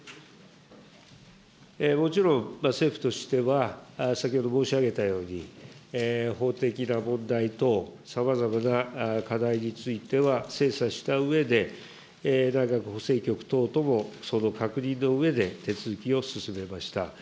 もちろん、政府としては、先ほど申し上げたように、法的な問題等、さまざまな課題については精査したうえで、内閣法制局等ともその確認のうえで手続きを進めました。